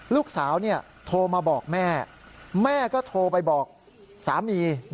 ลูกสาวโทรมาบอกแม่แม่ก็โทรไปบอกสามี